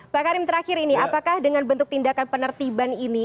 pak karim terakhir ini apakah dengan bentuk tindakan penertiban ini